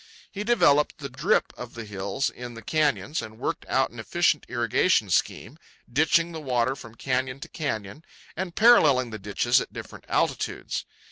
He developed the drip of the hills in the canyons and worked out an efficient irrigation scheme, ditching the water from canyon to canyon and paralleling the ditches at different altitudes.